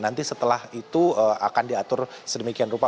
nanti setelah itu akan diatur sedemikian rupa